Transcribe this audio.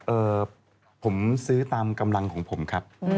เอ่อผมซื้อตามกำลังของผมครับ